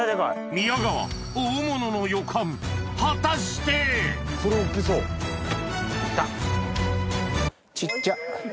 宮川大物の予感果たしていった！